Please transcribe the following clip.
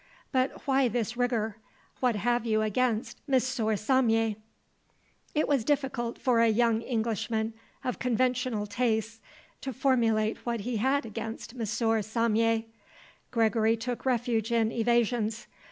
"But why this rigour? What have you against M. Saumier?" It was difficult for a young Englishman of conventional tastes to formulate what he had against M. Saumier. Gregory took refuge in evasions.